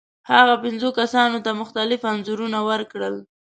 هغه پنځو کسانو ته مختلف انځورونه ورکړل.